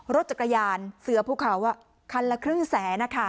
รถจักรยานเสือภูเขาคันละครึ่งแสนนะคะ